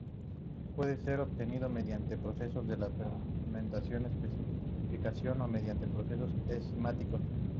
Pueden ser obtenidos mediante procesos de fermentación, esterificación o mediante procesos enzimáticos.